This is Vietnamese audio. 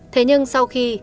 thế nhưng sau khi